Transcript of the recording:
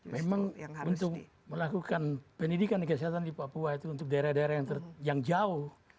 memang untuk melakukan pendidikan dan kesehatan di papua itu untuk daerah daerah yang jauh